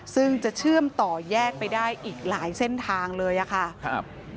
ซึ่งจะเชื่อมต่อแยกไปได้อีกหลายเส้นทางเลยอะค่ะครับ